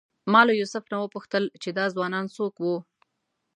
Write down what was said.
ما له یوسف نه وپوښتل چې دا ځوانان څوک وو.